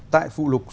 tại phụ lục số